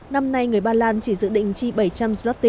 năm nay người ba lan chỉ dự định chi bảy trăm linh usd